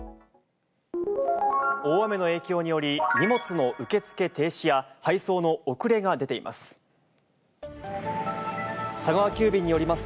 大雨の影響により、荷物の受け付け停止や配送の遅れが出ています。